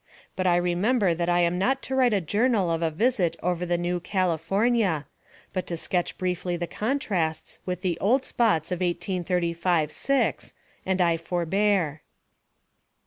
But I remember that I am not to write a journal of a visit over the new California, but to sketch briefly the contrasts with the old spots of 1835 6, and I forbear.